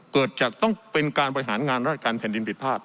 เกิดจากต้องเป็นการบริหารงานราชการแผ่นดินผิดพลาด